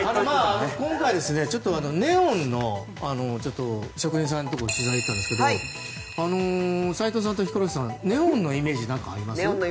今回ネオンの職人さんに取材に行ったんですが齊藤さんとヒコロヒーさんネオンのイメージ何かありますか？